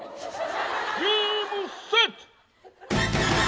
ゲームセット！」。